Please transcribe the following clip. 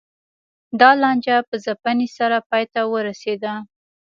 دا لانجه په ځپنې سره پای ته ورسېده.